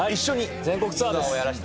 全国ツアーです。